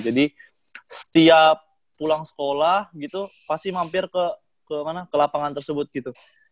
jadi setiap pulang sekolah gitu pasti mampir ke lapangan tersebut gitu